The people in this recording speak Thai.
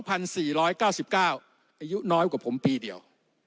อายุน้อยกว่าผมปีเดียว